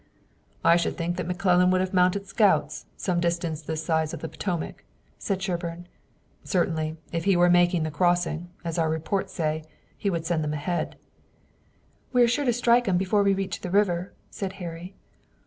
"I should think that McClellan would have mounted scouts some distance this side of the Potomac," said Sherburne. "Certainly, if he were making the crossing, as our reports say, he would send them ahead." "We're sure to strike 'em before we reach the river," said Harry.